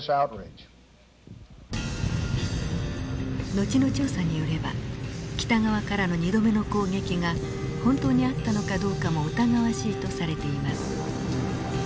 後の調査によれば北側からの２度目の攻撃が本当にあったのかどうかも疑わしいとされています。